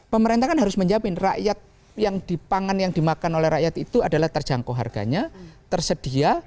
pemerintah kan harus menjamin rakyat yang dipangan yang dimakan oleh rakyat itu adalah terjangkau harganya tersedia